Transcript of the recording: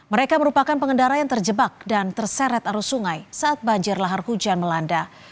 mereka merupakan pengendara yang terjebak dan terseret arus sungai saat banjir lahar hujan melanda